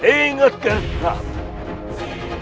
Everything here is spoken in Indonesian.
ingat ger prabu